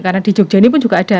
karena di jogja ini pun juga ada